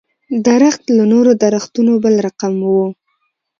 درخت له نورو درختو بل رقم و.